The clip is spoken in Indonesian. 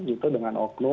itu dengan oknum